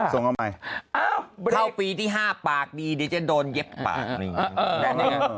ส่งมาใหม่เข้าปีที่๕ปากดีจะโดนเย็บปาก